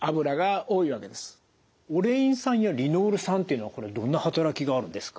オレイン酸やリノール酸っていうのはこれはどんな働きがあるんですか？